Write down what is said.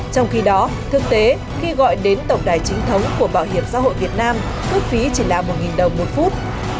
trong khi đó thực tế khi gọi đến tổng đài chính thống của bảo hiểm xã hội việt nam cước phí chỉ là một đồng một phút